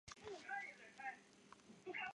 主要活动区域是约旦河西岸地区。